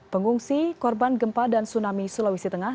pengungsi korban gempa dan tsunami sulawesi tengah